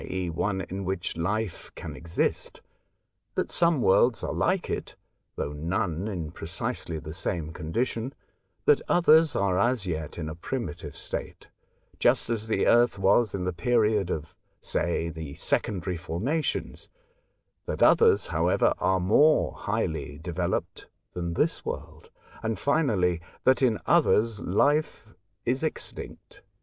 e., one in which life can exist ; that some worlds are like it (though none in precisely the same condition) ; that others are as yet in a primitive state, just as the Earth was in the period of, say, the secondary formations ; that others, however, are more highly developed than this world ; and, finally, that in others life is extinct.